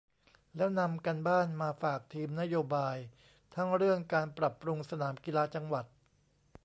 แล้วนำการบ้านมาฝากทีมนโยบาย ทั้งเรื่องการปรับปรุงสนามกีฬาจังหวัด